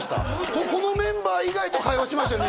ここのメンバー以外と会話してましたよね？